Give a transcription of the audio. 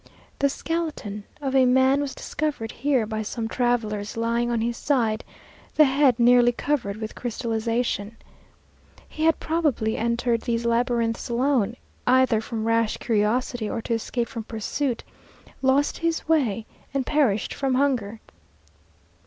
The skeleton of a man was discovered here by some travellers, lying on his side, the head nearly covered with crystallization. He had probably entered these labyrinths alone, either from rash curiosity or to escape from pursuit; lost his way and perished from hunger.